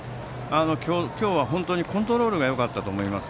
今日はコントロールがよかったと思います。